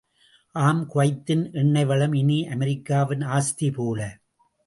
ஆம் குவைத்தின் எண்ணெய் வளம் இனி அமெரிக்காவின் ஆஸ்தி போல!